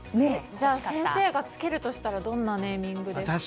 じゃあ先生がつけるとしたらどんなネーミングですか？